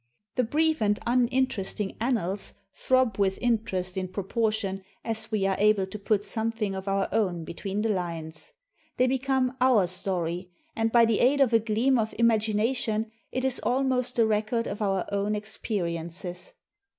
The brief and uninteresting annals throb with inter est in proportion as we are able to put something of our own between the lines. They become our story, and, by the aid of a gleam of imagination, it is almost the record of our own experiences.